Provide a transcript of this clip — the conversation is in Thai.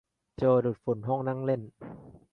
โจดูดฝุ่นห้องนั่งเล่น